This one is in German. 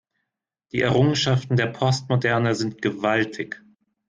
Die Errungenschaften der Postmoderne sind gewaltig.